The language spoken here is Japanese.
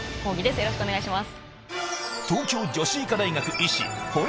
よろしくお願いします。